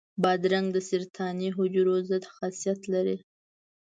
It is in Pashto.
بادرنګ د سرطاني حجرو ضد خاصیت لري.